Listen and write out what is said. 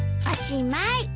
おしまい。